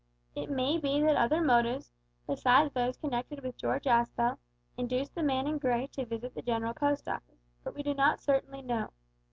It may be that other motives, besides those connected with George Aspel, induced the man in grey to visit the General Post Office, but we do not certainly know.